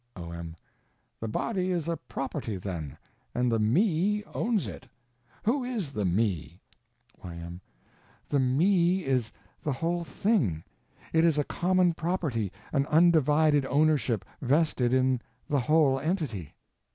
O.M. The body is a property then, and the Me owns it. Who is the Me? Y.M. The Me is _the whole thing; _it is a common property; an undivided ownership, vested in the whole entity.